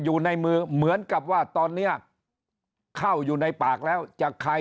อยู่ในมือเหมือนกับว่าตอนเนี้ยเข้าอยู่ในปากแล้วจะใคร